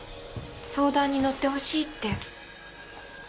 相談にのって欲しいって。